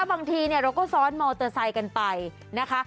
บางทีเนี่ยเราก็ซ้อนมอเตอร์ไซค์กันไปนะคะ